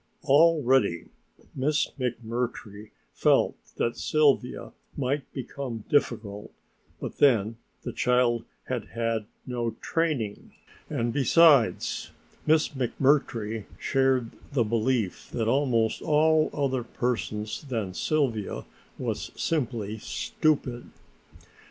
Already Miss McMurtry felt that Sylvia might become difficult, but then the child had had no training, and besides Miss McMurtry shared the belief of almost all other persons that Sylvia was simply stupid.